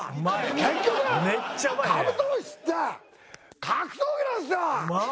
結局カブトムシって格闘技なんですよ！